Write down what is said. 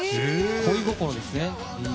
「恋心」ですね。